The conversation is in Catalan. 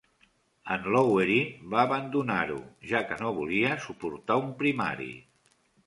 En Lowery va abandonar-ho, ja que no volia suportar un primari.